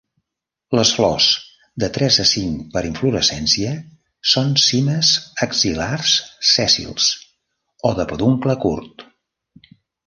Les flors, de tres a cinc per inflorescència, són cimes axil·lars sèssils o de peduncle curt.